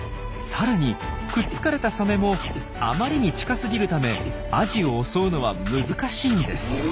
さらにくっつかれたサメもあまりに近すぎるためアジを襲うのは難しいんです。